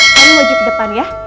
kami mau jalan ke depan ya